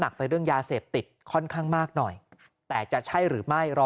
ไปเรื่องยาเสพติดค่อนข้างมากหน่อยแต่จะใช่หรือไม่รอ